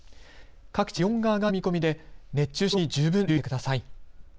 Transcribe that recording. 各地で気温が上がる見込みで熱中症に十分、注意してください。